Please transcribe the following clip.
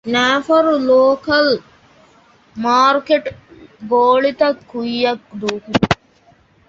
ނައިފަރު ލޯކަލް މާރުކޭޓް ގޮޅިތައް ކުއްޔަށް ދޫކުރުން